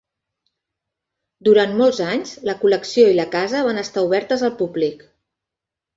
Durant molts anys, la col·lecció i la casa van estar obertes al públic.